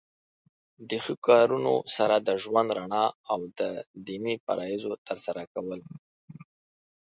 د ښو کارونو سره د ژوند رڼا او د دینی فریضو تر سره کول.